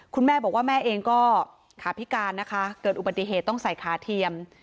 คุณแม่บอกว่าแม่เองก็ขาพิการนะคะเกิดอุบัติเหตุต้องใส่ขาเทียม